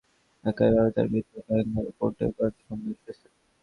একইভাবে তার বিরুদ্ধে ক্যাঙ্গারু কোর্টেও কয়েকটা মামলা রয়েছে।